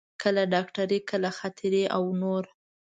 کله ډاکټري، کله خاطرې او نور.